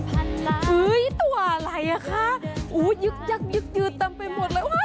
แรงอีกเป็นพันล้านตัวอะไรอ่ะค่ะโอ้ยยึกยักยึกยืดเต็มไปหมดเลย